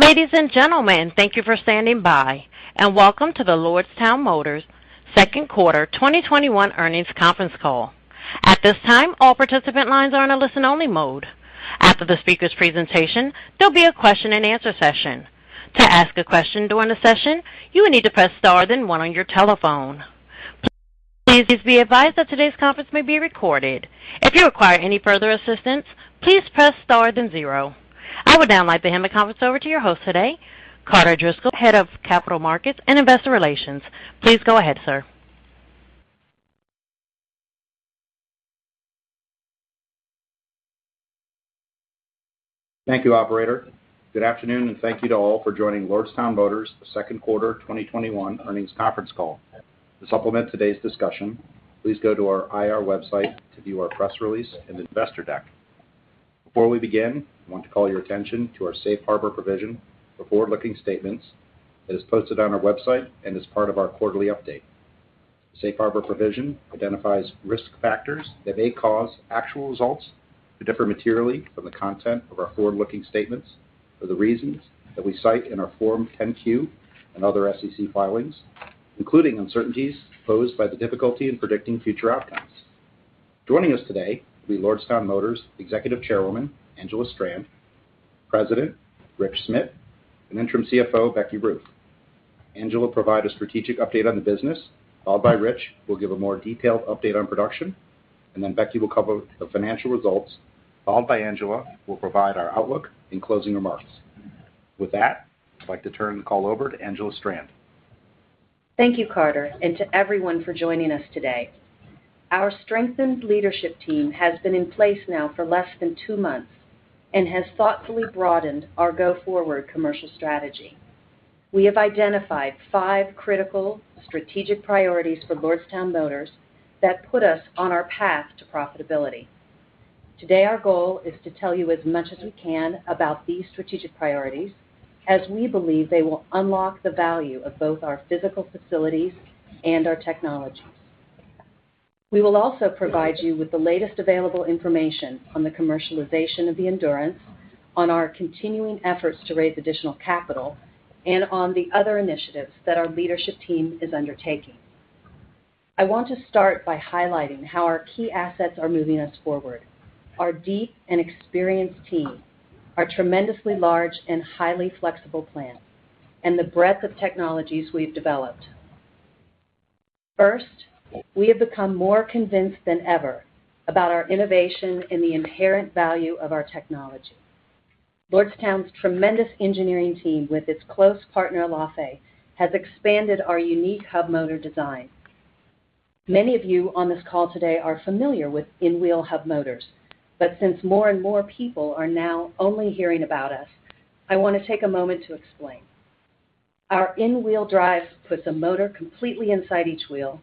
Ladies and gentlemen, thank you for standing by and welcome to the Lordstown Motors second quarter 2021 earnings conference call. At this time, all participant lines are in a listen-only mode. After the speaker's presentation, there'll be a question-and-answer session. To ask a question during the session, you'll need to press star then one on your telephone. Please be advised that today's conference may be recorded. If you require any further assistance, please press star then zero. I would now like to hand the conference over to your host today, Carter Driscoll, Head of Capital Markets and Investor Relations. Please go ahead, sir. Thank you, operator. Good afternoon, and thank you to all for joining Lordstown Motors second quarter 2021 earnings conference call. To supplement today's discussion, please go to our IR website to view our press release and investor deck. Before we begin, I want to call your attention to our safe harbor provision for forward-looking statements that is posted on our website and is part of our quarterly update. The safe harbor provision identifies risk factors that may cause actual results to differ materially from the content of our forward-looking statements for the reasons that we cite in our Form 10-Q and other SEC filings, including uncertainties posed by the difficulty in predicting future outcomes. Joining us today will be Lordstown Motors Executive Chairwoman, Angela Strand; President, Rich Schmidt; and Interim CFO, Becky Roof. Angela will provide a strategic update on the business, followed by Rich, who will give a more detailed update on production, and then Becky will cover the financial results, followed by Angela, who will provide our outlook and closing remarks. With that, I'd like to turn the call over to Angela Strand. Thank you, Carter, and to everyone for joining us today. Our strengthened leadership team has been in place now for less than two months and has thoughtfully broadened our go-forward commercial strategy. We have identified five critical strategic priorities for Lordstown Motors that put us on our path to profitability. Today, our goal is to tell you as much as we can about these strategic priorities, as we believe they will unlock the value of both our physical facilities and our technologies. We will also provide you with the latest available information on the commercialization of the Endurance, on our continuing efforts to raise additional capital, and on the other initiatives that our leadership team is undertaking. I want to start by highlighting how our key assets are moving us forward. Our deep and experienced team, our tremendously large and highly flexible plant, and the breadth of technologies we've developed. First, we have become more convinced than ever about our innovation and the inherent value of our technology. Lordstown's tremendous engineering team, with its close partner, Elaphe, has expanded our unique hub motor design. Many of you on this call today are familiar with in-wheel hub motors, but since more and more people are now only hearing about us, I want to take a moment to explain. Our in-wheel drive puts a motor completely inside each wheel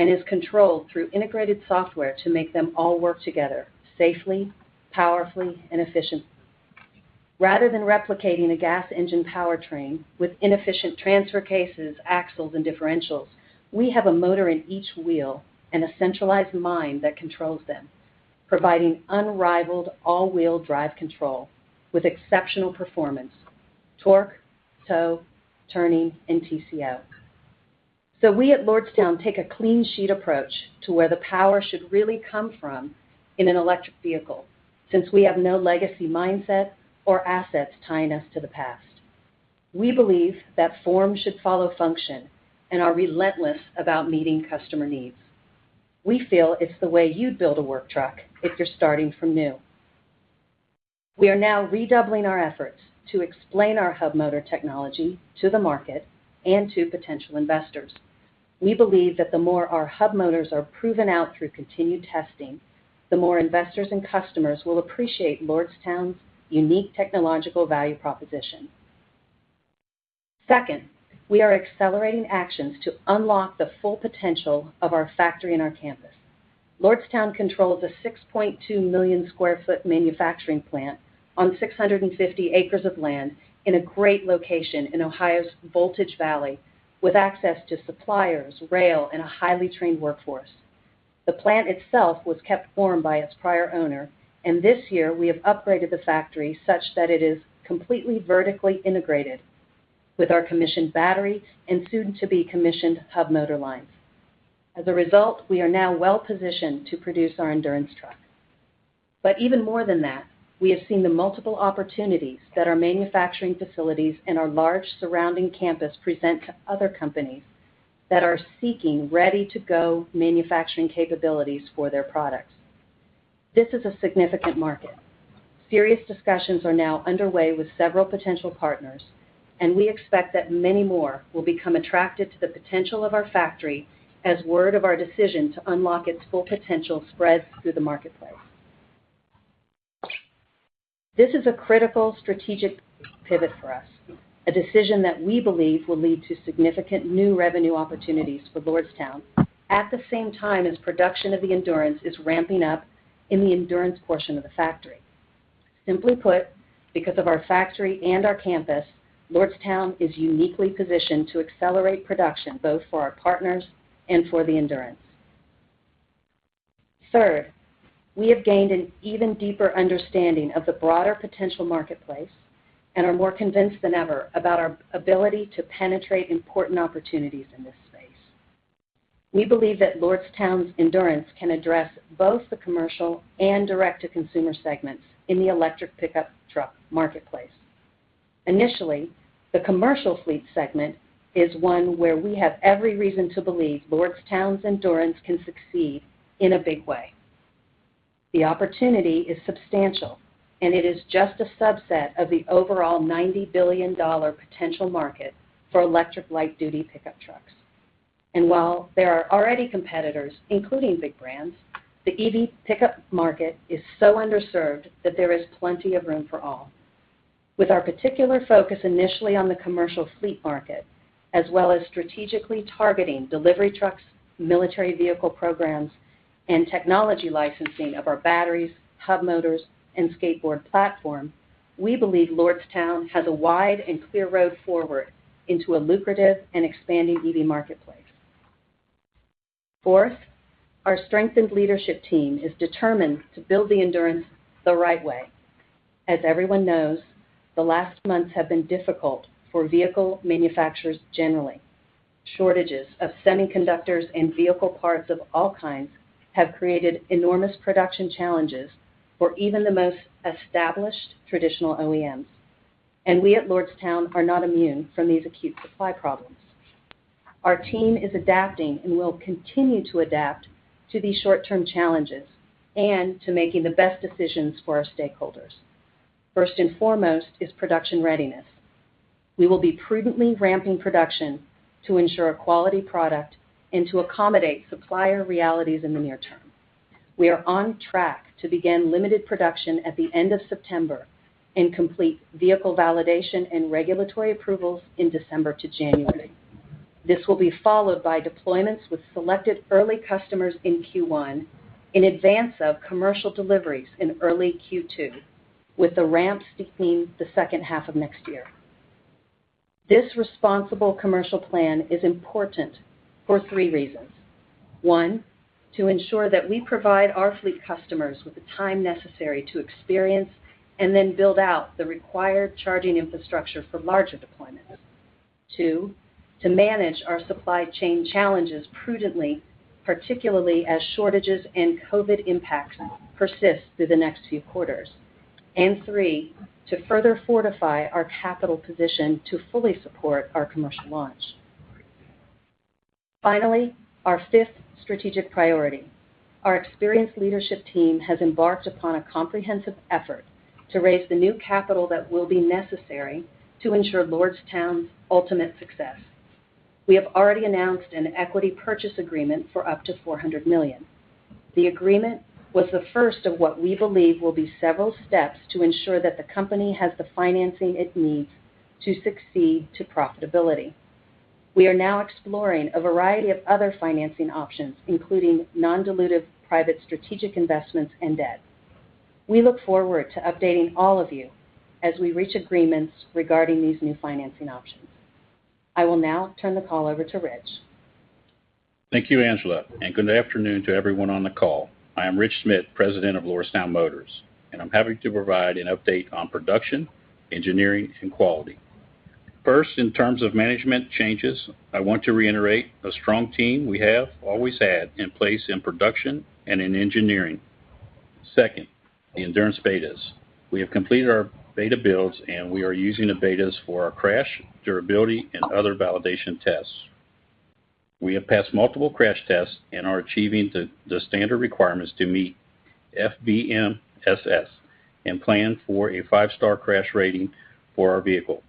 and is controlled through integrated software to make them all work together safely, powerfully, and efficiently. Rather than replicating a gas engine powertrain with inefficient transfer cases, axles, and differentials, we have a motor in each wheel and a centralized mind that controls them, providing unrivaled all-wheel drive control with exceptional performance, torque, tow, turning, and TCO. We at Lordstown take a clean sheet approach to where the power should really come from in an electric vehicle, since we have no legacy mindset or assets tying us to the past. We believe that form should follow function and are relentless about meeting customer needs. We feel it's the way you'd build a work truck if you're starting from new. We are now redoubling our efforts to explain our hub motor technology to the market and to potential investors. We believe that the more our hub motors are proven out through continued testing, the more investors and customers will appreciate Lordstown's unique technological value proposition. Second, we are accelerating actions to unlock the full potential of our factory and our campus. Lordstown controls a 6.2 million sq ft manufacturing plant on 650 acres of land in a great location in Ohio's Voltage Valley, with access to suppliers, rail, and a highly trained workforce. This year we have upgraded the factory such that it is completely vertically integrated with our commissioned battery and soon-to-be commissioned hub motor lines. As a result, we are now well-positioned to produce our Endurance truck. Even more than that, we have seen the multiple opportunities that our manufacturing facilities and our large surrounding campus present to other companies that are seeking ready-to-go manufacturing capabilities for their products. This is a significant market. Serious discussions are now underway with several potential partners, and we expect that many more will become attracted to the potential of our factory as word of our decision to unlock its full potential spreads through the marketplace. This is a critical strategic pivot for us, a decision that we believe will lead to significant new revenue opportunities for Lordstown at the same time as production of the Endurance is ramping up in the Endurance portion of the factory. Simply put, because of our factory and our campus, Lordstown is uniquely positioned to accelerate production, both for our partners and for the Endurance. Third, we have gained an even deeper understanding of the broader potential marketplace and are more convinced than ever about our ability to penetrate important opportunities in this space. We believe that Lordstown's Endurance can address both the commercial and direct-to-consumer segments in the electric pickup truck marketplace. Initially, the commercial fleet segment is one where we have every reason to believe Lordstown's Endurance can succeed in a big way. The opportunity is substantial. It is just a subset of the overall $90 billion potential market for electric light duty pickup trucks. While there are already competitors, including big brands, the EV pickup market is so underserved that there is plenty of room for all. With our particular focus initially on the commercial fleet market, as well as strategically targeting delivery trucks, military vehicle programs, and technology licensing of our batteries, hub motors, and skateboard platform, we believe Lordstown has a wide and clear road forward into a lucrative and expanding EV marketplace. Fourth, our strengthened leadership team is determined to build the Endurance the right way. As everyone knows, the last months have been difficult for vehicle manufacturers generally. Shortages of semiconductors and vehicle parts of all kinds have created enormous production challenges for even the most established traditional OEMs. We at Lordstown are not immune from these acute supply problems. Our team is adapting and will continue to adapt to these short-term challenges and to making the best decisions for our stakeholders. First and foremost is production readiness. We will be prudently ramping production to ensure a quality product and to accommodate supplier realities in the near term. We are on track to begin limited production at the end of September and complete vehicle validation and regulatory approvals in December to January. This will be followed by deployments with selected early customers in Q1 in advance of commercial deliveries in early Q2, with the ramps to [] the second half of next year. This responsible commercial plan is important for three reasons. one, to ensure that we provide our fleet customers with the time necessary to experience and then build out the required charging infrastructure for larger deployments. Two, to manage our supply chain challenges prudently, particularly as shortages and COVID impacts persist through the next few quarters. Three, to further fortify our capital position to fully support our commercial launch. Finally, our fifth strategic priority. Our experienced leadership team has embarked upon a comprehensive effort to raise the new capital that will be necessary to ensure Lordstown's ultimate success. We have already announced an equity purchase agreement for up to $400 million. The agreement was the first of what we believe will be several steps to ensure that the company has the financing it needs to succeed to profitability. We are now exploring a variety of other financing options, including non-dilutive private strategic investments and debt. We look forward to updating all of you as we reach agreements regarding these new financing options. I will now turn the call over to Rich. Thank you, Angela, and good afternoon to everyone on the call. I am Rich Schmidt, president of Lordstown Motors, and I'm happy to provide an update on production, engineering, and quality. First, in terms of management changes, I want to reiterate a strong team we have always had in place in production and in engineering. Second, the Endurance betas. We have completed our beta builds, and we are using the betas for our crash, durability, and other validation tests. We have passed multiple crash tests and are achieving the standard requirements to meet FMVSS and plan for a five-star crash rating for our vehicle.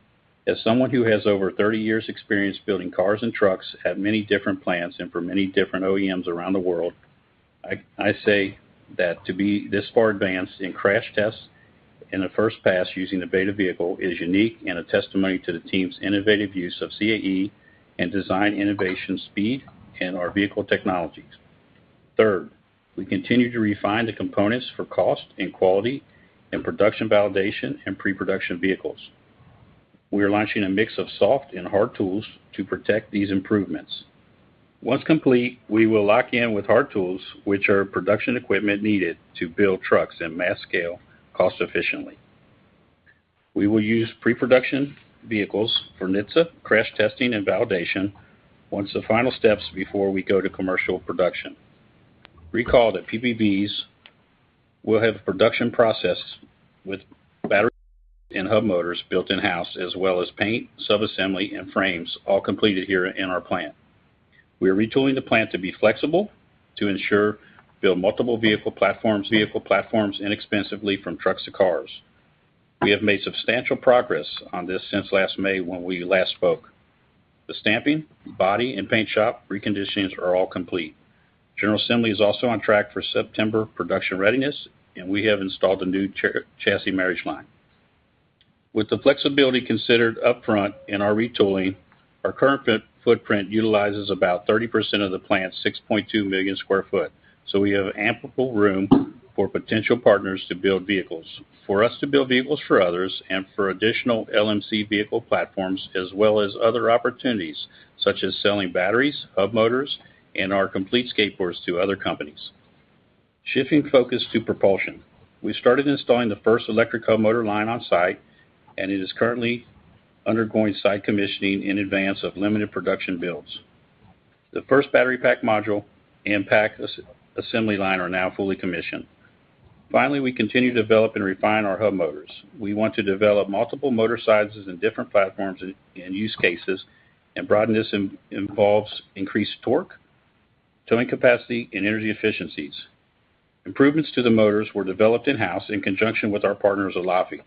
As someone who has over 30 years’ experience building cars and trucks at many different plants and for many different OEMs around the world, I say that to be this far advanced in crash tests in a first pass using a beta vehicle is unique and a testimony to the team's innovative use of CAE and design innovation speed and our vehicle technologies. Third, we continue to refine the components for cost and quality and production validation and pre-production vehicles. We are launching a mix of soft and hard tools to protect these improvements. Once complete, we will lock in with hard tools, which are production equipment needed to build trucks at mass scale cost efficiently. We will use pre-production vehicles for NHTSA crash testing and validation once the final steps before we go to commercial production. Recall that PPVs will have a production process with battery and hub motors built in-house, as well as paint, sub-assembly, and frames all completed here in our plant. We are retooling the plant to be flexible to ensure build multiple vehicle platforms inexpensively from trucks to cars. We have made substantial progress on this since last May when we last spoke. The stamping, body, and paint shop reconditionings are all complete. General Assembly is also on track for September production readiness, and we have installed a new chassis marriage line. With the flexibility considered up front in our retooling, our current footprint utilizes about 30% of the plant's 6.2 million square foot. We have ample room for potential partners to build vehicles, for us to build vehicles for others, and for additional LMC vehicle platforms, as well as other opportunities, such as selling batteries, hub motors, and our complete skateboards to other companies. Shifting focus to propulsion. We started installing the first electric hub motor line on site, and it is currently undergoing site commissioning in advance of limited production builds. The first battery pack module and pack assembly line are now fully commissioned. Finally, we continue to develop and refine our hub motors. We want to develop multiple motor sizes in different platforms and use cases and broaden this involves increased torque, towing capacity, and energy efficiencies. Improvements to the motors were developed in-house in conjunction with our partners at Elaphe.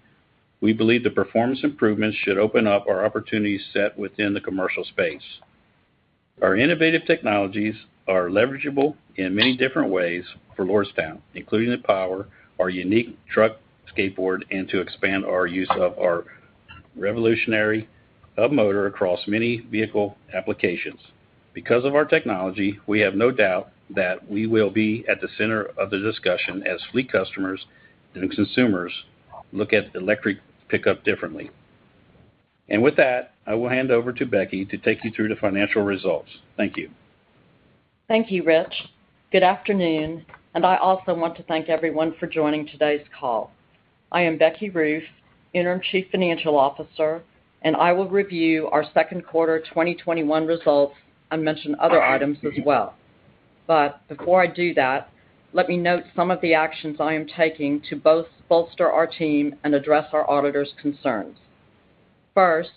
We believe the performance improvements should open up our opportunities set within the commercial space. Our innovative technologies are leverageable in many different ways for Lordstown, including the power, our unique truck skateboard, and to expand our use of our revolutionary hub motor across many vehicle applications. Because of our technology, we have no doubt that we will be at the center of the discussion as fleet customers and consumers look at electric pickup differently. With that, I will hand over to Becky to take you through the financial results. Thank you. Thank you, Rich. Good afternoon. I also want to thank everyone for joining today's call. I am Becky Roof, interim chief financial officer. I will review our second quarter 2021 results and mention other items as well. Before I do that, let me note some of the actions I am taking to both bolster our team and address our auditors' concerns. First,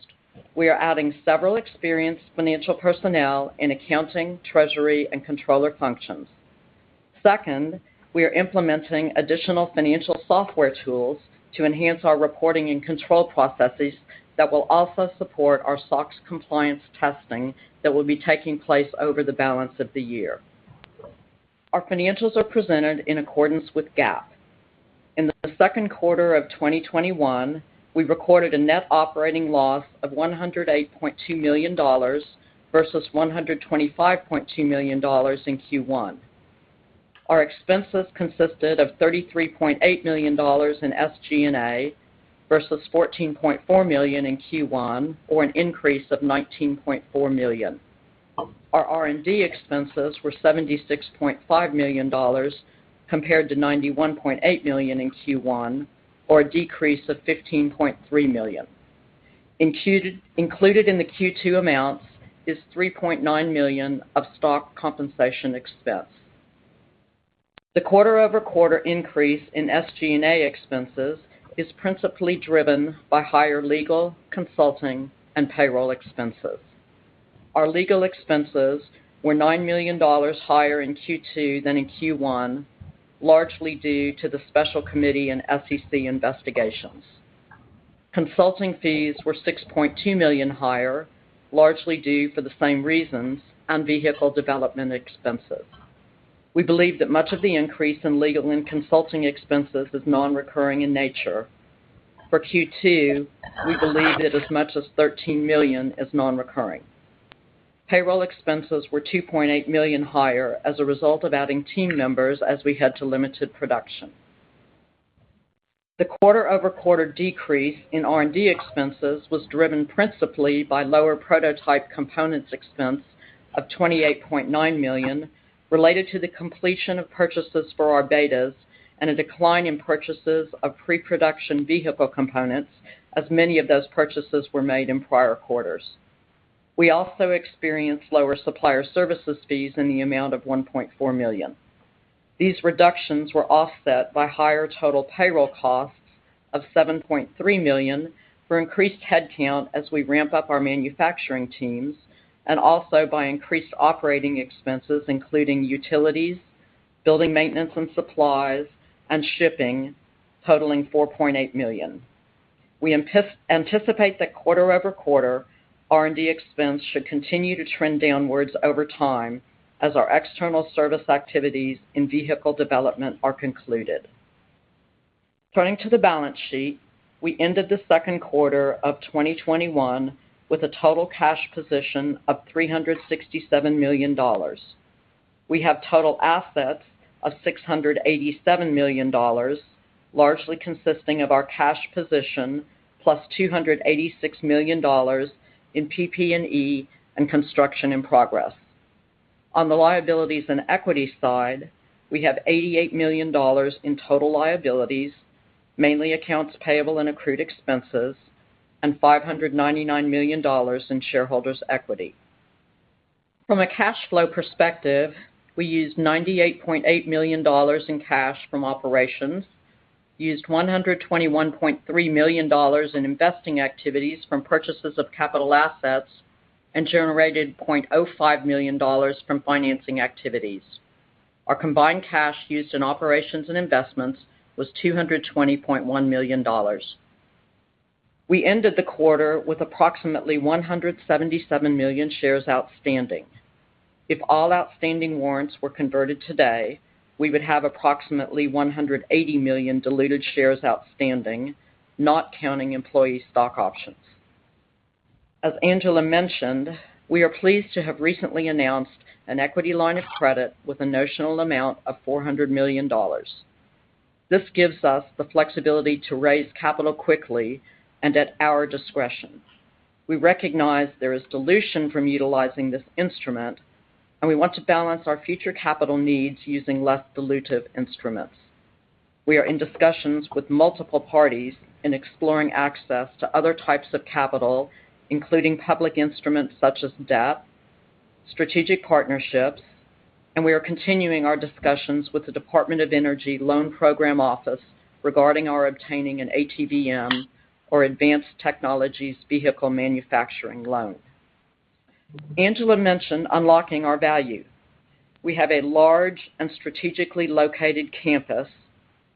we are adding several experienced financial personnel in accounting, treasury, and controller functions. Second, we are implementing additional financial software tools to enhance our reporting and control processes that will also support our SOX compliance testing that will be taking place over the balance of the year. Our financials are presented in accordance with GAAP. In the second quarter of 2021, we recorded a net operating loss of $108.2 million versus $125.2 million in Q1. Our expenses consisted of $33.8 million in SG&A versus $14.4 million in Q1, or an increase of $19.4 million. Our R&D expenses were $76.5 million compared to $91.8 million in Q1, or a decrease of $15.3 million. Included in the Q2 amounts is $3.9 million of stock compensation expense. The quarter-over-quarter increase in SG&A expenses is principally driven by higher legal, consulting, and payroll expenses. Our legal expenses were $9 million higher in Q2 than in Q1, largely due to the special committee and SEC investigations. Consulting fees were $6.2 million higher, largely due for the same reasons and vehicle development expenses. We believe that much of the increase in legal and consulting expenses is non-recurring in nature. For Q2, we believe that as much as $13 million is non-recurring. Payroll expenses were $2.8 million higher as a result of adding team members as we head to limited production. The quarter-over-quarter decrease in R&D expenses was driven principally by lower prototype components expense of $28.9 million related to the completion of purchases for our betas and a decline in purchases of pre-production vehicle components, as many of those purchases were made in prior quarters. We also experienced lower supplier services fees in the amount of $1.4 million. These reductions were offset by higher total payroll costs of $7.3 million for increased headcount as we ramp up our manufacturing teams and also by increased operating expenses, including utilities, building maintenance and supplies, and shipping totaling $4.8 million. We anticipate that quarter-over-quarter R&D expense should continue to trend downwards over time as our external service activities in vehicle development are concluded. Turning to the balance sheet, we ended the second quarter of 2021 with a total cash position of $367 million. We have total assets of $687 million, largely consisting of our cash position, $+286 million in PP&E and construction in progress. On the liabilities and equity side, we have $88 million in total liabilities, mainly accounts payable and accrued expenses, and $599 million in shareholders' equity. From a cash flow perspective, we used $98.8 million in cash from operations, used $121.3 million in investing activities from purchases of capital assets, and generated $0.05 million from financing activities. Our combined cash used in operations and investments was $220.1 million. We ended the quarter with approximately 177 million shares outstanding. If all outstanding warrants were converted today, we would have approximately 180 million diluted shares outstanding, not counting employee stock options. As Angela mentioned, we are pleased to have recently announced an equity line of credit with a notional amount of $400 million. This gives us the flexibility to raise capital quickly and at our discretion. We recognize there is dilution from utilizing this instrument, and we want to balance our future capital needs using less dilutive instruments. We are in discussions with multiple parties in exploring access to other types of capital, including public instruments such as debt, strategic partnerships, and we are continuing our discussions with the Department of Energy Loan Programs Office regarding our obtaining an ATVM or Advanced Technology Vehicles Manufacturing loan. Angela mentioned unlocking our value. We have a large and strategically located campus,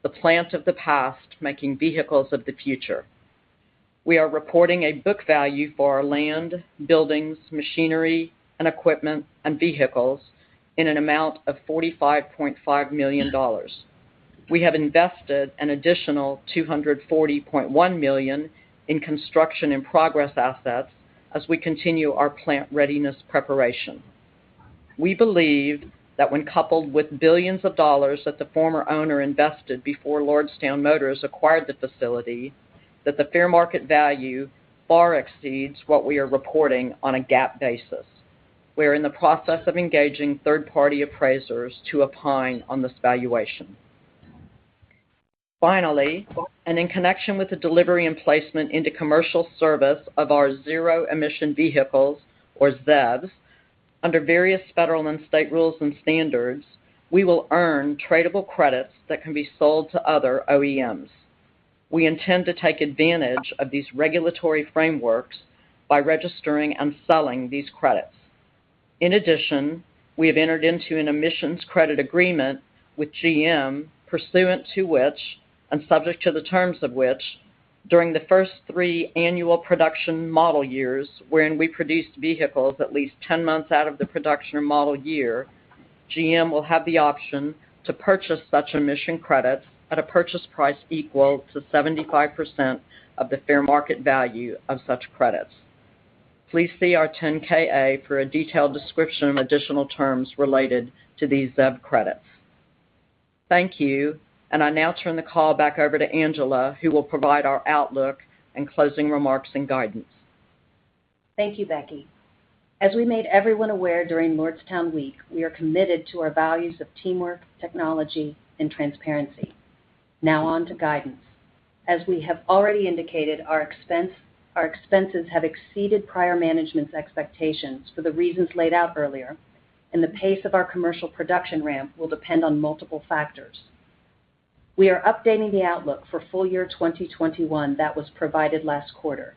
the plant of the past making vehicles of the future. We are reporting a book value for our land, buildings, machinery, and equipment, and vehicles in an amount of $45.5 million. We have invested an additional $240.1 million in construction and progress assets as we continue our plant readiness preparation. We believe that when coupled with billions of dollars that the former owner invested before Lordstown Motors acquired the facility, that the fair market value far exceeds what we are reporting on a GAAP basis. We're in the process of engaging third-party appraisers to opine on this valuation. Finally, in connection with the delivery and placement into commercial service of our zero-emission vehicles, or ZEVs, under various federal and state rules and standards, we will earn tradable credits that can be sold to other OEMs. We intend to take advantage of these regulatory frameworks by registering and selling these credits. In addition, we have entered into an emissions credit agreement with GM pursuant to which, and subject to the terms of which, during the first three annual production model years wherein we produced vehicles at least 10 months out of the production model year, GM will have the option to purchase such emission credits at a purchase price equal to 75% of the fair market value of such credits. Please see our 10-K/A for a detailed description of additional terms related to these ZEV credits. Thank you, I now turn the call back over to Angela, who will provide our outlook and closing remarks and guidance. Thank you, Becky. As we made everyone aware during Lordstown Week, we are committed to our values of teamwork, technology, and transparency. Now on to guidance. As we have already indicated, our expenses have exceeded prior management's expectations for the reasons laid out earlier, and the pace of our commercial production ramp will depend on multiple factors. We are updating the outlook for full year 2021 that was provided last quarter.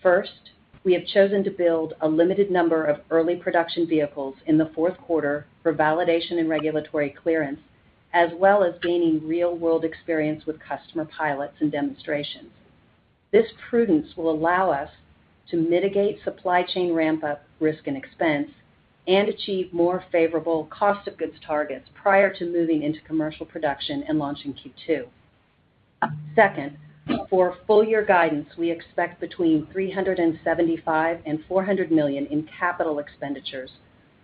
First, we have chosen to build a limited number of early production vehicles in the fourth quarter for validation and regulatory clearance, as well as gaining real-world experience with customer pilots and demonstrations. This prudence will allow us to mitigate supply chain ramp-up risk and expense and achieve more favorable cost of goods targets prior to moving into commercial production and launching Q2. Second, for full year guidance, we expect between $375 million and $400 million in capital expenditures,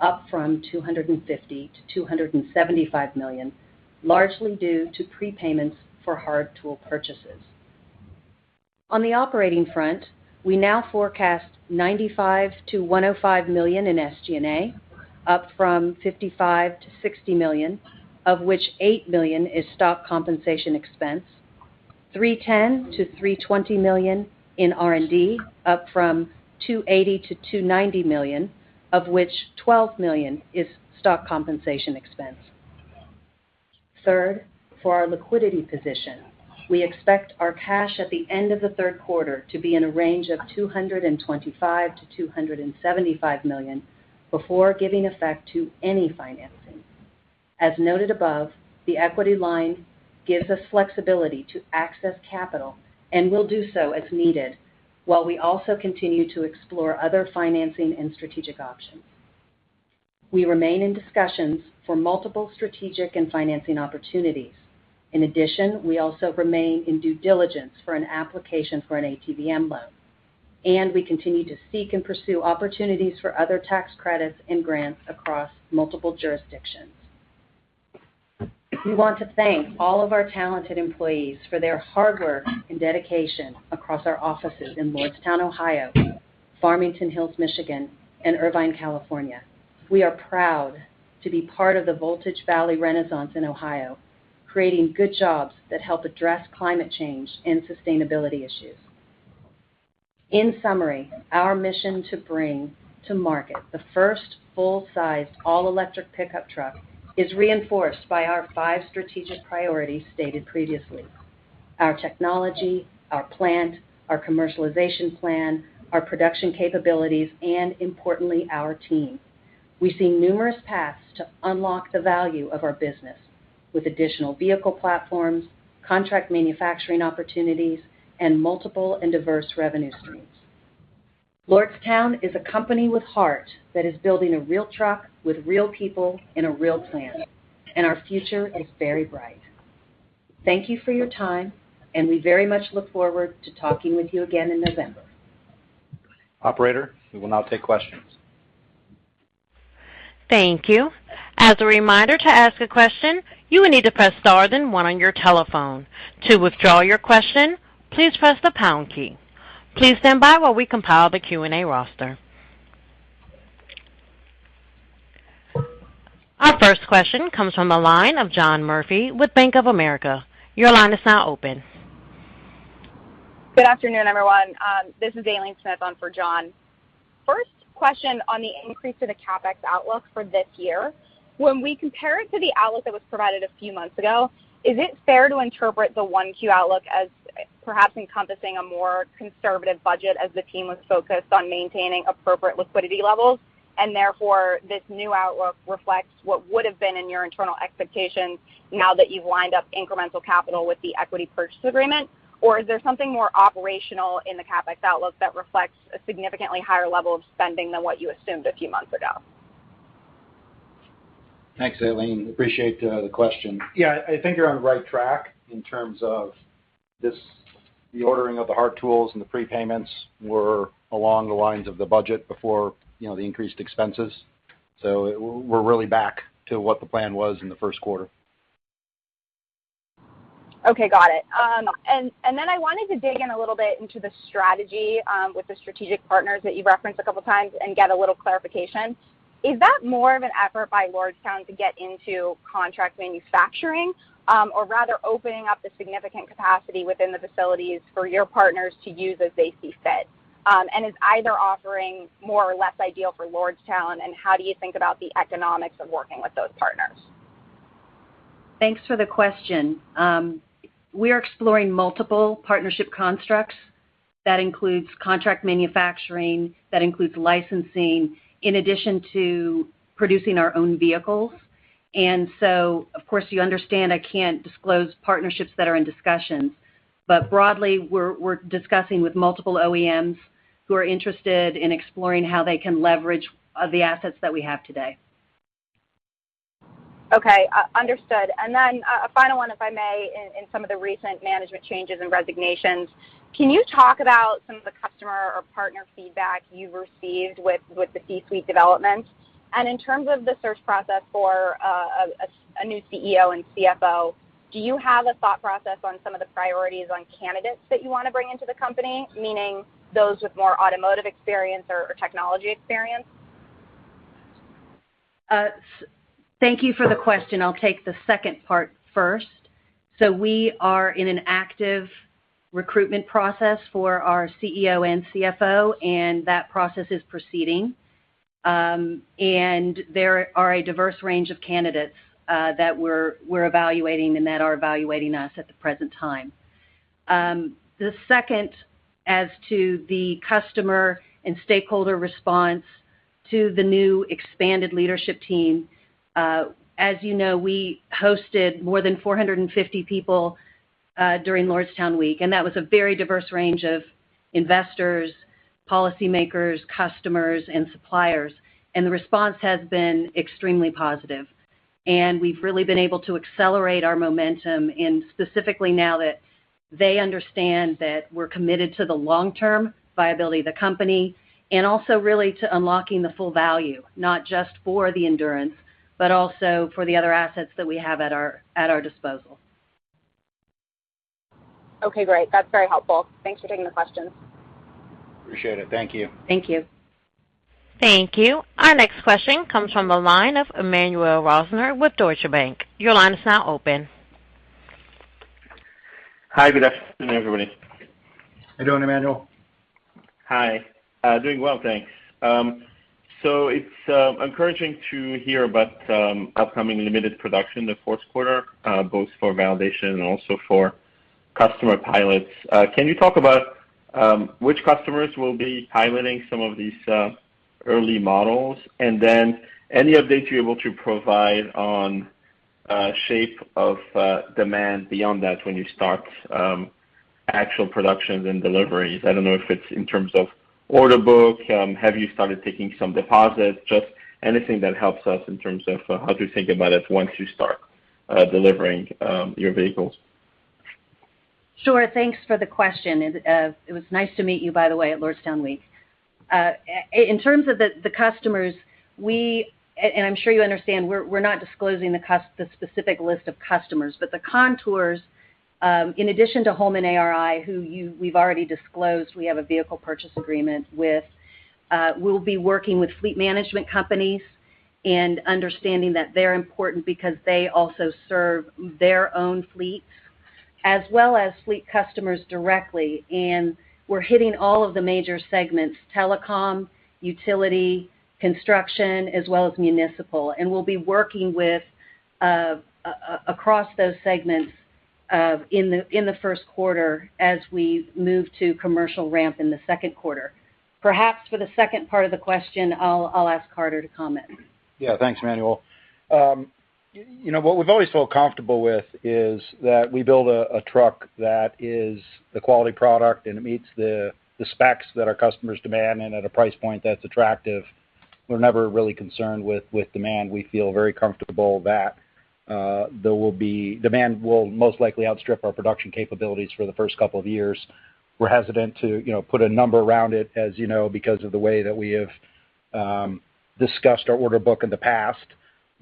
up from $250 million-$275 million, largely due to prepayments for hard tool purchases. On the operating front, we now forecast $95 million-$105 million in SG&A, up from $55 million-$60 million, of which $8 million is stock compensation expense, $310 million-$320 million in R&D, up from $280 million-$290 million, of which $12 million is stock compensation expense. Third, for our liquidity position, we expect our cash at the end of the third quarter to be in a range of $225 million-$275 million before giving effect to any financing. As noted above, the equity line gives us flexibility to access capital and will do so as needed while we also continue to explore other financing and strategic options. We remain in discussions for multiple strategic and financing opportunities. In addition, we also remain in due diligence for an application for an ATVM loan, and we continue to seek and pursue opportunities for other tax credits and grants across multiple jurisdictions. We want to thank all of our talented employees for their hard work and dedication across our offices in Lordstown, Ohio, Farmington Hills, Michigan, and Irvine, California. We are proud to be part of the Voltage Valley renaissance in Ohio, creating good jobs that help address climate change and sustainability issues. In summary, our mission to bring to market the first full-sized all-electric pickup truck is reinforced by our five strategic priorities stated previously. Our technology, our plant, our commercialization plan, our production capabilities, and importantly, our team. We see numerous paths to unlock the value of our business with additional vehicle platforms, contract manufacturing opportunities, and multiple and diverse revenue streams. Lordstown is a company with heart that is building a real truck with real people in a real plant, and our future is very bright. Thank you for your time, and we very much look forward to talking with you again in November. Operator, we will now take questions. Thank you. As a reimnder, to ask a question you will need to press star the one on your telephone keypad. To withdraw your question, please press the pound key. Please stand by while we compile the Q&A roster. Our first question comes from the line of John Murphy with Bank of America. Your line is now open. Good afternoon, everyone. This is Aileen Smith on for John. First question on the increase in the CapEx outlook for this year. When we compare it to the outlook that was provided a few months ago, is it fair to interpret the oneQ outlook as perhaps encompassing a more conservative budget as the team was focused on maintaining appropriate liquidity levels, and therefore this new outlook reflects what would have been in your internal expectations now that you've lined up incremental capital with the equity purchase agreement? Or is there something more operational in the CapEx outlook that reflects a significantly higher level of spending than what you assumed a few months ago? Thanks, Aileen. Appreciate the question. Yeah, I think you're on the right track in terms of the ordering of the hard tools and the prepayments were along the lines of the budget before the increased expenses. We're really back to what the plan was in the first quarter. Okay, got it. I wanted to dig in a little bit into the strategy with the strategic partners that you referenced a couple of times and get a little clarification. Is that more of an effort by Lordstown to get into contract manufacturing? Rather opening up the significant capacity within the facilities for your partners to use as they see fit? Is either offering more or less ideal for Lordstown, and how do you think about the economics of working with those partners? Thanks for the question. We are exploring multiple partnership constructs. That includes contract manufacturing, that includes licensing, in addition to producing our own vehicles. Of course, you understand I can't disclose partnerships that are in discussions. Broadly, we're discussing with multiple OEMs who are interested in exploring how they can leverage the assets that we have today. Okay, understood. A final one, if I may, in some of the recent management changes and resignations. Can you talk about some of the customer or partner feedback you've received with the C-suite development? In terms of the search process for a new CEO and CFO, do you have a thought process on some of the priorities on candidates that you want to bring into the company, meaning those with more automotive experience or technology experience? Thank you for the question. I'll take the second part first. We are in an active recruitment process for our CEO and CFO, and that process is proceeding. There are a diverse range of candidates that we're evaluating and that are evaluating us at the present time. The second as to the customer and stakeholder response to the new expanded leadership team. As you know, we hosted more than 450 people during Lordstown Week, and that was a very diverse range of investors, policymakers, customers, and suppliers. The response has been extremely positive. We've really been able to accelerate our momentum in specifically now that they understand that we're committed to the long-term viability of the company, and also really to unlocking the full value, not just for the Endurance, but also for the other assets that we have at our disposal. Okay, great. That's very helpful. Thanks for taking the questions. Appreciate it. Thank you. Thank you. Thank you. Our next question comes from the line of Emmanuel Rosner with Deutsche Bank. Your line is now open. Hi, good afternoon, everybody. How you doing, Emmanuel? Hi. Doing well, thanks. It's encouraging to hear about upcoming limited production the fourth quarter both for validation and also for customer pilots. Can you talk about which customers will be piloting some of these early models? Any updates you're able to provide on shape of demand beyond that when you start actual productions and deliveries. I don't know if it's in terms of order book. Have you started taking some deposits? Just anything that helps us in terms of how to think about it once you start delivering your vehicles. Sure. Thanks for the question. It was nice to meet you, by the way, at Lordstown Week. In terms of the customers, and I'm sure you understand, we're not disclosing the specific list of customers, but the contours in addition to Holman ARI, who we've already disclosed we have a vehicle purchase agreement with. We'll be working with fleet management companies and understanding that they're important because they also serve their own fleets as well as fleet customers directly. We're hitting all of the major segments, telecom, utility, construction, as well as municipal. We'll be working with across those segments in the first quarter as we move to commercial ramp in the second quarter. Perhaps for the second part of the question, I'll ask Carter to comment. Yeah, thanks, Emmanuel. What we've always felt comfortable with is that we build a truck that is the quality product, and it meets the specs that our customers demand and at a price point that's attractive. We're never really concerned with demand. We feel very comfortable that there will be demand most likely outstrip our production capabilities for the first couple of years. We're hesitant to put a number around it, as you know, because of the way that we have discussed our order book in the past.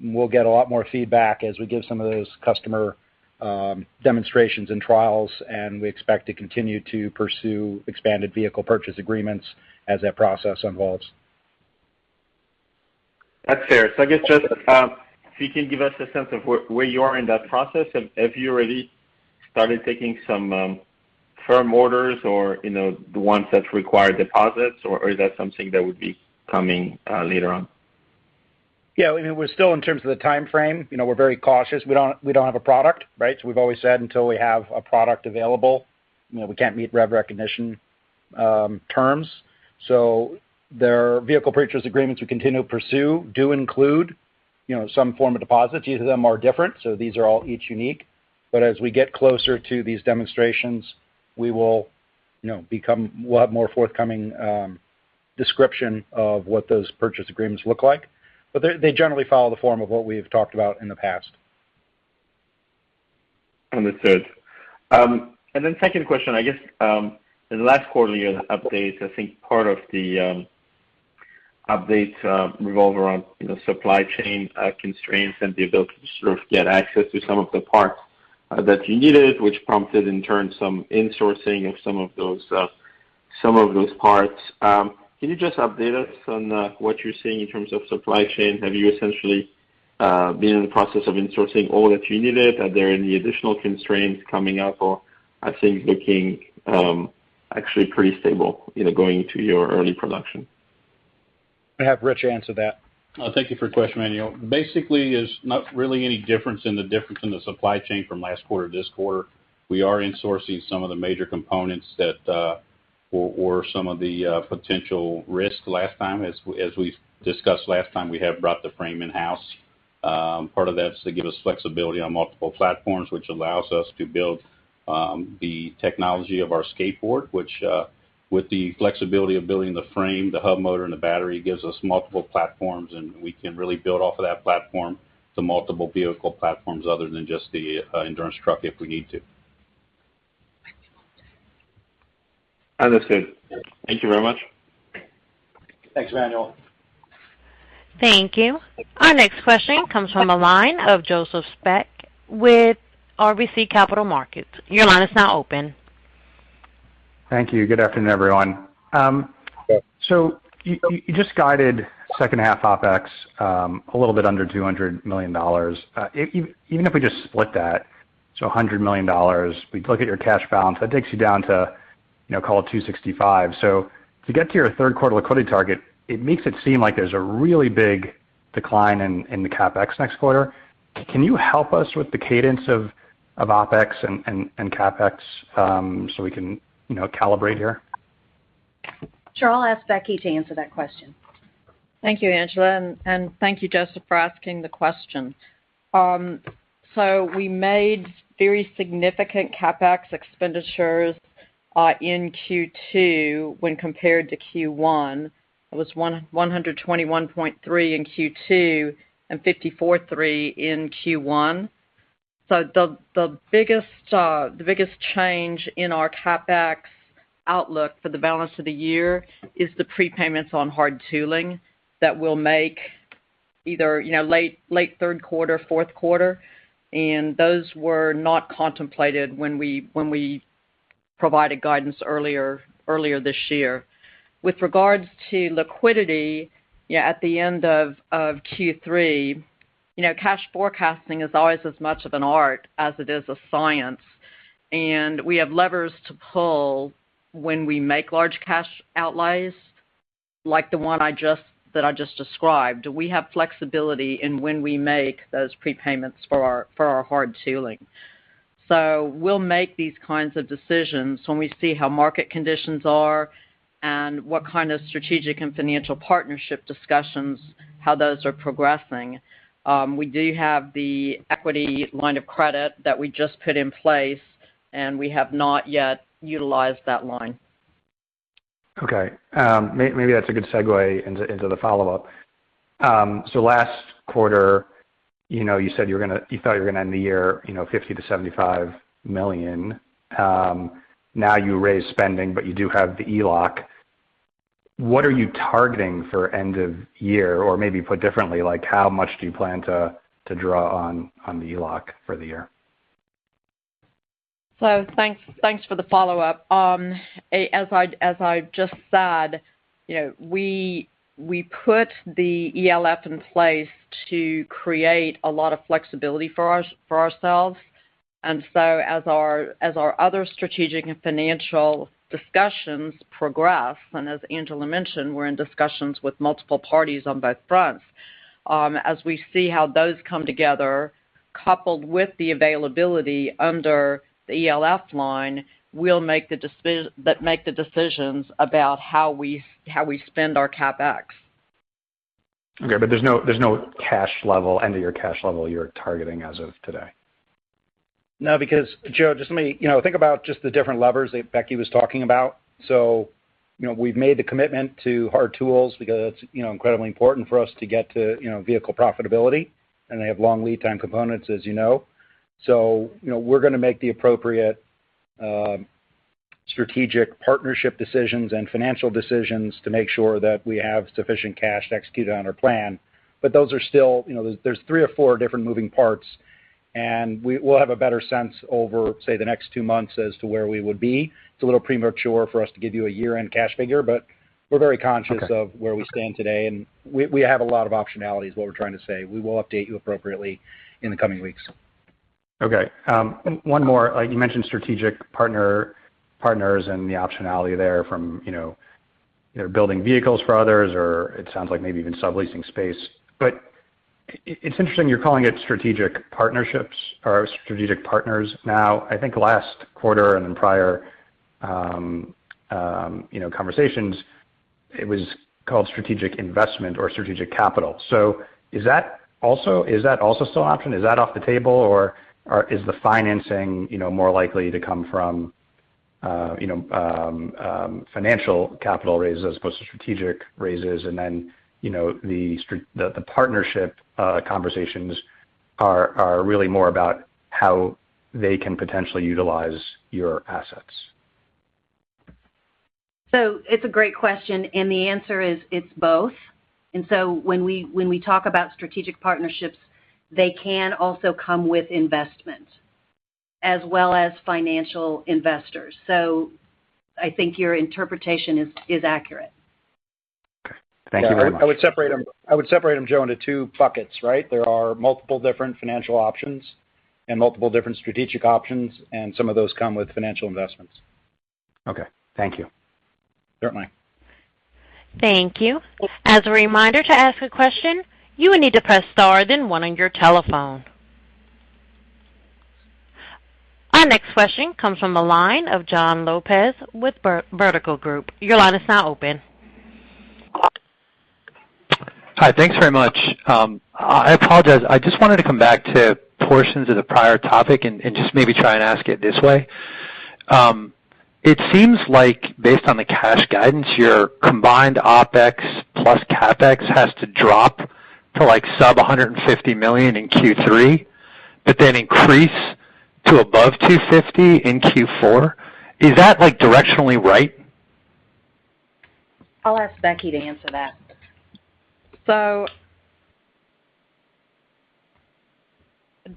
We'll get a lot more feedback as we give some of those customer demonstrations and trials, and we expect to continue to pursue expanded vehicle purchase agreements as that process evolves. That's fair. I guess just if you can give us a sense of where you are in that process. Have you already started taking some firm orders or the ones that require deposits, or is that something that would be coming later on? We're still, in terms of the timeframe, we're very cautious. We don't have a product, right? We've always said until we have a product available, we can't meet rev recognition terms. There are vehicle purchase agreements we continue to pursue do include some form of deposits. Each of them are different, these are all each unique. As we get closer to these demonstrations, we will have more forthcoming description of what those purchase agreements look like. They generally follow the form of what we've talked about in the past. Understood. Second question, I guess, in the last quarterly update, I think part of the updates revolve around supply chain constraints and the ability to sort of get access to some of the parts that you needed, which prompted in turn some insourcing of some of those parts. Can you just update us on what you're seeing in terms of supply chain? Have you essentially been in the process of insourcing all that you needed? Are there any additional constraints coming up or are things looking actually pretty stable, going into your early production? I'll have Rich answer that. Thank you for your question, Emmanuel. Basically, there's not really any difference in the supply chain from last quarter to this quarter. We are insourcing some of the major components that were some of the potential risks last time. As we discussed last time, we have brought the frame in-house. Part of that is to give us flexibility on multiple platforms, which allows us to build the technology of our skateboard, which with the flexibility of building the frame, the hub motor, and the battery, gives us multiple platforms, and we can really build off of that platform to multiple vehicle platforms other than just the Endurance truck if we need to. Understood. Thank you very much. Thanks, Emmanuel. Thank you. Our next question comes from the line of Joseph Spak with RBC Capital Markets. Your line is now open. Thank you. Good afternoon, everyone. You just guided second half OpEx, a little bit under $200 million. Even if we just split that to $100 million, we look at your cash balance, that takes you down to call it $265 million. To get to your third quarter liquidity target, it makes it seem like there's a really big decline in the CapEx next quarter. Can you help us with the cadence of OpEx and CapEx so we can calibrate here? Sure. I'll ask Becky to answer that question. Thank you, Angela, and thank you, Joseph, for asking the question. We made very significant CapEx expenditures in Q2 when compared to Q1. It was $121.3 in Q2 and $54.3 in Q1. The biggest change in our CapEx outlook for the balance of the year is the prepayments on hard tooling that we'll make either late third quarter, fourth quarter, and those were not contemplated when we provided guidance earlier this year. With regards to liquidity, at the end of Q3, cash forecasting is always as much of an art as it is a science, and we have levers to pull when we make large cash outlays like the one that I just described. We have flexibility in when we make those prepayments for our hard tooling. We'll make these kinds of decisions when we see how market conditions are and what kind of strategic and financial partnership discussions, how those are progressing. We do have the Equity Line of Credit that we just put in place, and we have not yet utilized that line. Okay. Maybe that's a good segue into the follow-up. Last quarter, you said you thought you were going to end the year $50 million-$75 million. Now you raise spending, but you do have the ELOC. What are you targeting for end of year? Maybe put differently, how much do you plan to draw on the ELOC for the year? Thanks for the follow-up. As I just said, we put the ELOC in place to create a lot of flexibility for ourselves. As our other strategic and financial discussions progress, and as Angela mentioned, we're in discussions with multiple parties on both fronts. As we see how those come together, coupled with the availability under the ELOC line, we'll make the decisions about how we spend our CapEx. Okay, there's no end-of-year cash level you're targeting as of today? No, because Joe, just think about just the different levers that Becky was talking about. We've made the commitment to hard tools because that's incredibly important for us to get to vehicle profitability, and they have long lead time components, as you know. We're going to make the appropriate strategic partnership decisions and financial decisions to make sure that we have sufficient cash to execute on our plan. There's three or four different moving parts, and we'll have a better sense over, say, the next four months as to where we would be. It's a little premature for us to give you a year-end cash figure, but we're very conscious. Okay of where we stand today, and we have a lot of optionalities, is what we're trying to say. We will update you appropriately in the coming weeks. Okay. One more. You mentioned strategic partners and the optionality there from either building vehicles for others or it sounds like maybe even subleasing space. It's interesting you're calling it strategic partnerships or strategic partners now. I think last quarter and in prior conversations, it was called strategic investment or strategic capital. Is that also still an option? Is that off the table or is the financing more likely to come from financial capital raises as opposed to strategic raises and then, the partnership conversations are really more about how they can potentially utilize your assets? It's a great question, and the answer is it's both. When we talk about strategic partnerships, they can also come with investment as well as financial investors. I think your interpretation is accurate. Okay. Thank you very much. I would separate them, Joe, into two buckets, right? There are multiple different financial options and multiple different strategic options, and some of those come with financial investments. Okay. Thank you. Certainly. Thank you. As a reminder, to ask a question, you will need to press star then one on your telephone. Our next question comes from the line of Jon Lopez with Vertical Group. Your line is now open. Hi. Thanks very much. I apologize. I just wanted to come back to portions of the prior topic and just maybe try and ask it this way. It seems like based on the cash guidance, your combined OpEx plus CapEx has to drop to like sub $150 million in Q3 but then increase to above $250 million in Q4. Is that directionally right? I'll ask Becky to answer that. I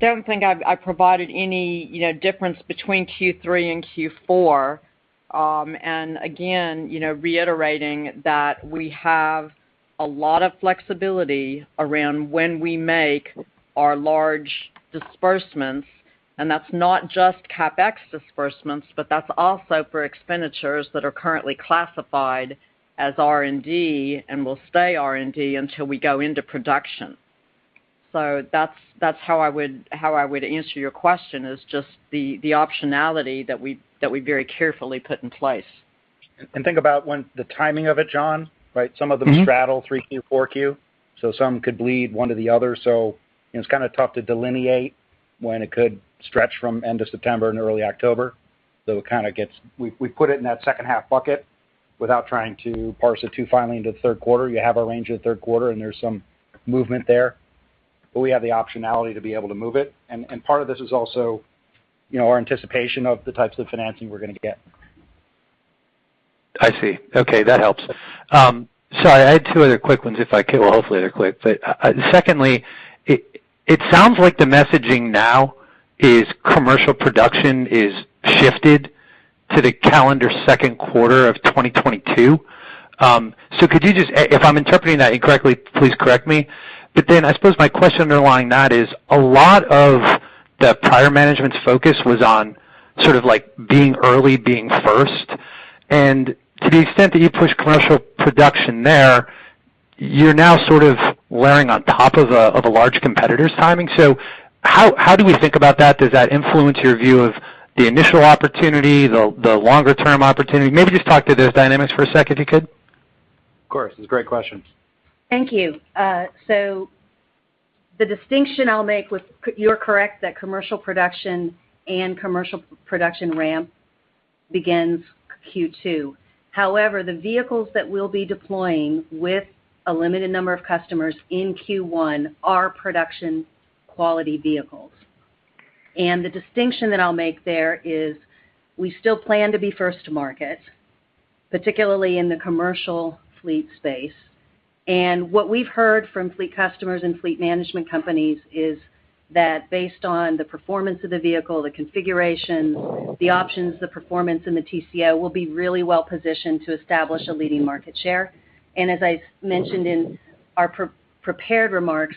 don't think I provided any difference between Q3 and Q4. Again, reiterating that we have a lot of flexibility around when we make our large disbursements, and that's not just CapEx disbursements, but that's also for expenditures that are currently classified as R&D and will stay R&D until we go into production. That's how I would answer your question, is just the optionality that we very carefully put in place. Think about the timing of it, Jon, right? Some of them straddle 3Q, 4Q, some could bleed one to the other. It's kind of tough to delineate when it could stretch from end of September and early October. We put it in that second half bucket without trying to parse it too finely into the third quarter. You have a range of the third quarter, and there's some movement there, but we have the optionality to be able to move it. Part of this is also our anticipation of the types of financing we're going to get. I see. Okay. That helps. Sorry, I had two other quick ones if I could. Hopefully they're quick. Secondly, it sounds like the messaging now is commercial production is shifted to the calendar second quarter of 2022. If I'm interpreting that incorrectly, please correct me. I suppose my question underlying that is a lot of the prior management's focus was on being early, being first. To the extent that you push commercial production there, you're now sort of layering on top of a large competitor's timing. How do we think about that? Does that influence your view of the initial opportunity, the longer-term opportunity? Maybe just talk to those dynamics for a second, if you could. Of course. It's a great question. Thank you. The distinction I'll make was you're correct that commercial production and commercial production ramp begins Q2. However, the vehicles that we'll be deploying with a limited number of customers in Q1 are production-quality vehicles. The distinction that I'll make there is we still plan to be first to market, particularly in the commercial fleet space. What we've heard from fleet customers and fleet management companies is that based on the performance of the vehicle, the configuration, the options, the performance and the TCO, we'll be really well-positioned to establish a leading market share. As I mentioned in our prepared remarks,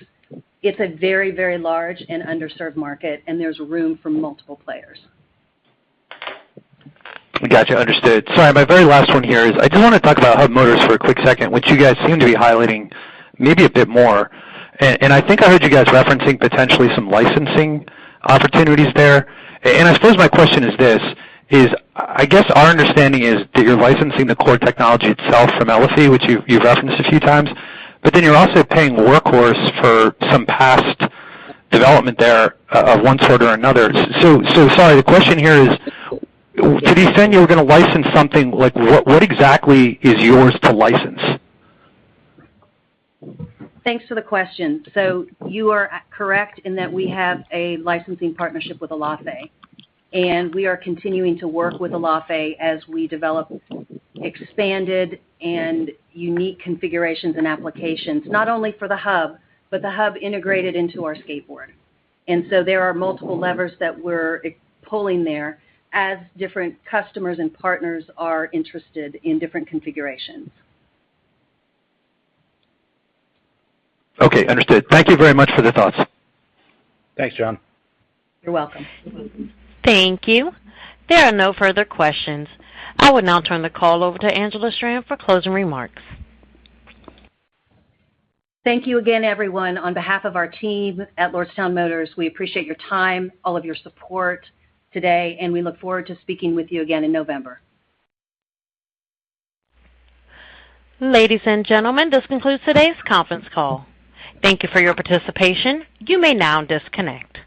it's a very, very large and underserved market, and there's room for multiple players. Gotcha. Understood. Sorry, my very last one here is I do want to talk about hub motors for a quick second, which you guys seem to be highlighting maybe a bit more. I think I heard you guys referencing potentially some licensing opportunities there. I suppose my question is this, is I guess our understanding is that you're licensing the core technology itself from Elaphe, which you've referenced a few times, but then you're also paying Workhorse for some past development there of one sort or another. Sorry, the question here is, to the extent you were going to license something, what exactly is yours to license? Thanks for the question. You are correct in that we have a licensing partnership with Elaphe, and we are continuing to work with Elaphe as we develop expanded and unique configurations and applications, not only for the hub, but the hub integrated into our skateboard. There are multiple levers that we're pulling there as different customers and partners are interested in different configurations. Okay, understood. Thank you very much for the thoughts. Thanks, Jon. You're welcome. Thank you. There are no further questions. I would now turn the call over to Angela Strand for closing remarks. Thank you again, everyone. On behalf of our team at Lordstown Motors, we appreciate your time, all of your support today, and we look forward to speaking with you again in November. Ladies and gentlemen, this concludes today's conference call. Thank you for your participation. You may now disconnect.